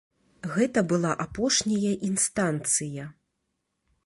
Гэта была апошняя інстанцыя.